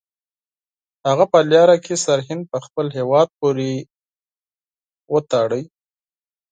هغه په لاره کې سرهند په خپل هیواد پورې وتاړه.